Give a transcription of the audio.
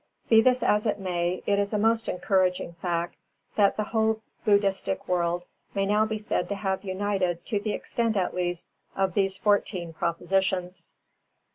Be this as it may, it is a most encouraging fact that the whole Buddhistic world may now be said to have united to the extent at least of these Fourteen Propositions.